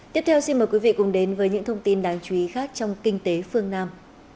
tiếp theo xin mời quý vị cùng đến với những thông tin đáng chú ý khác trong kinh tế phương nam